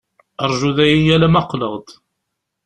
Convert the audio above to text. Rju dayi alamma qqleɣ-d.